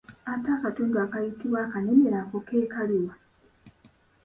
Ate akatundu akayitibwa akanenero ako ke kaliwa?